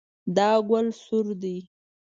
دا ګل سور ده